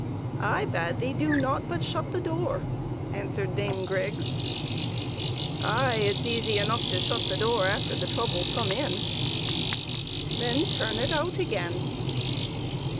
" I bade thee do naught but shut the door!" answered Dame Griggs. " Ay ; it's easy enough to shut the door after the trouble's come in !"" Then turn it out again